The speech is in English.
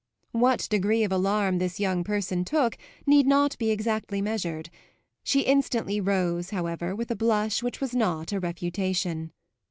What degree of alarm this young person took need not be exactly measured; she instantly rose, however, with a blush which was not a refutation.